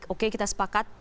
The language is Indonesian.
oke kita sepakat